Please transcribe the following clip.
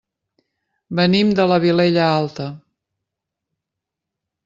Venim de la Vilella Alta.